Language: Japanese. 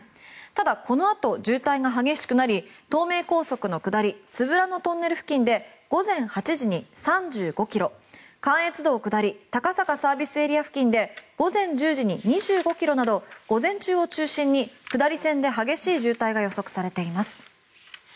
ただ、このあと渋滞が激しくなり東名高速の下り都夫良野トンネル付近で午前８時に３５ｋｍ関越道下り高坂ＳＡ付近で午前１０時に２５ｋｍなど午前中を中心に下り線で激しい渋滞が予測されています。